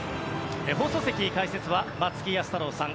放送席、解説は松木安太郎さん